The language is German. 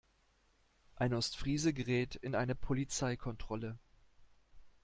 Ein Ostfriese gerät in eine Polizeikontrolle.